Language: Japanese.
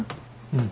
うん。